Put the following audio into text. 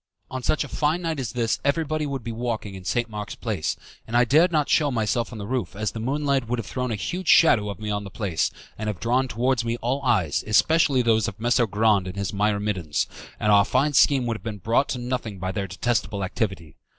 On such a fine night as this everybody would be walking in St. Mark's Place, and I dared not shew myself on the roof as the moonlight would have thrown a huge shadow of me on the place, and have drawn towards me all eyes, especially those of Messer Grande and his myrmidons, and our fine scheme would have been brought to nothing by their detestable activity.